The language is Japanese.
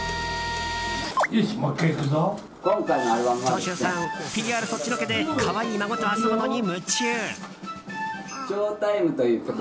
長州さん、ＰＲそっちのけで可愛い孫と遊ぶのに夢中。